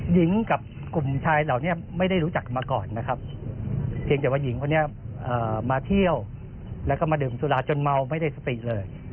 หญิงกับกลุ่มชายเหล่านี้ไม่ได้รู้จักมาก่อนนะครับเพียงแต่ว่าหญิงคนนี้มาเที่ยวแล้วก็มาดื่มสุราจนเมาไม่ได้สติเลย